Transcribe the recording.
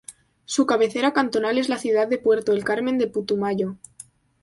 Su cabecera cantonal es la ciudad de Puerto El Carmen de Putumayo.